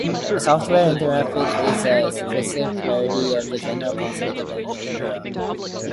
A software interrupt is a specific variety of the general concept of an interrupt.